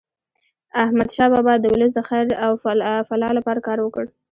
احمدشاه بابا د ولس د خیر او فلاح لپاره کار وکړ.